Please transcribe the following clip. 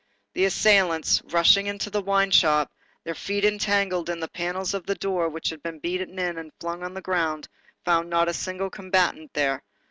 The assailants, rushing into the wine shop, their feet entangled in the panels of the door which had been beaten in and flung on the ground, found not a single combatant there.